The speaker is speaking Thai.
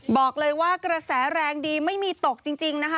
บอกเลยว่ากระแสแรงดีไม่มีตกจริงนะคะ